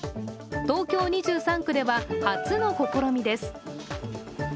東京２３区では初の試みです。